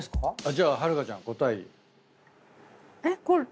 じゃあはるかちゃん答え。